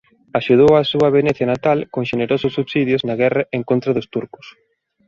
Axudou á súa Venecia natal con xenerosos subsidios na guerra en contra dos turcos.